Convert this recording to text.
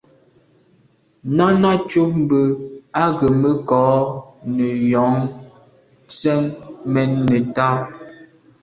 Náná cúp mbə̄ á gə̀ mə́ kɔ̌ nə̀ jɔ̌ŋ tsjə́n mɛ́n nə̀tá.